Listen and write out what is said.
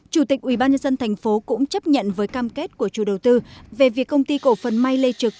chủ tịch ubnd tp cũng chấp nhận với cam kết của chủ đầu tư về việc công ty cổ phần may lê trực